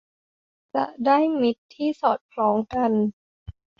จะได้มิตรที่สอดคล้องกัน